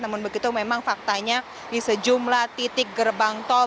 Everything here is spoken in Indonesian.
namun begitu memang faktanya di sejumlah titik gerbang tol